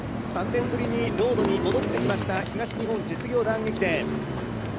３年ぶりにロードに戻ってきました東日本実業団駅伝。